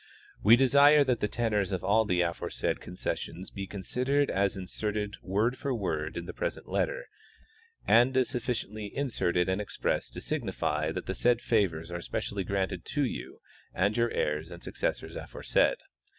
We desire that the tenors of all the aforesaid concessions be considered as inserted, word for word, in the present letter, and as sufficiently inserted and expressed to signify that the said favors are specially granted to you and your heirs and successors aforesaid.